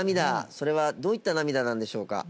それはどういった涙なんでしょうか？